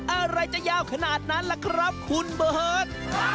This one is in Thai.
อะไรจะยาวขนาดนั้นล่ะครับคุณเบิร์ต